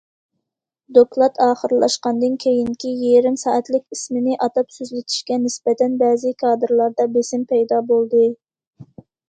دوكلات ئاخىرلاشقاندىن كېيىنكى يېرىم سائەتلىك ئىسمىنى ئاتاپ سۆزلىتىشكە نىسبەتەن بەزى كادىرلاردا بېسىم پەيدا بولدى.